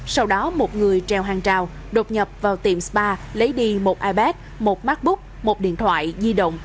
sau đó một người treo hàng trào đột nhập vào tiệm spa lấy đi một ipad một macbook một điện thoại di động